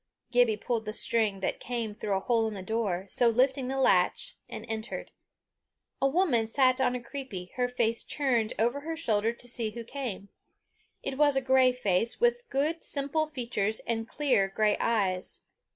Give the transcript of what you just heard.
Gibbie pulled the string that came through a hole in the door, so lifting the latch, and entered. A woman sat on a creepie, her face turned over her shoulder to see who came. It was a grey face, with good simple features and clear grey eyes.